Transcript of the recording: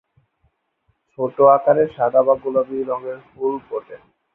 ছোট আকারের সাদা বা গোলাপি রঙের ফুল ফোটে।